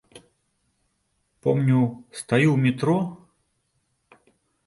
Помню, стаю ў метро.